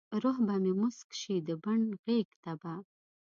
روح به مې موسک شي د بڼ غیږته به ،